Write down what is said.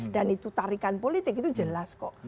dan itu tarikan politik itu jelas kok